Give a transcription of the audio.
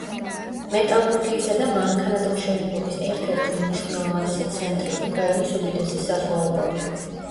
მეტალურგიისა და მანქანათმშენებლობის ერთ-ერთი უმნიშვნელოვანესი ცენტრი, უკრაინის უდიდესი საზღვაო პორტი.